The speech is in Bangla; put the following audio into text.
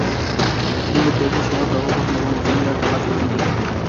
তিনি পেগু শহর দখল করেন এবং বিনিয়া দালাকে বন্দী করেন।